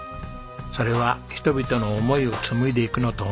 それは人々の思いを紡いでいくのと同じです。